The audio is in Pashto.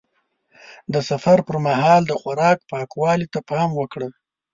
د سفر پر مهال د خوراک پاکوالي ته پام وکړه.